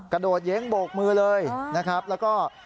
โดดเย้งโบกมือเลยนะครับแล้วก็